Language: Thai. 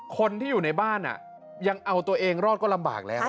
คนที่อยู่ในบ้านยังเอาตัวเองรอดก็ลำบากแล้ว